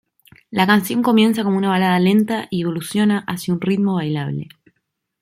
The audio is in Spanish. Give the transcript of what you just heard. La canción comienza como una balada lenta y evoluciona hacia un ritmo bailable.